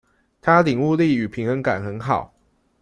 他領悟力與平衡感很好